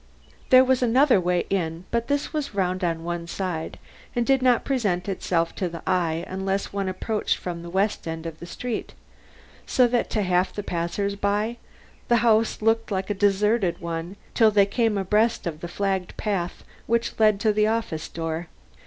There was another way in, but this was round on one side, and did not present itself to the eye unless one approached from the west end of the street; so that to half the passers by the house looked like a deserted one till they came abreast of the flagged path which led to the office door.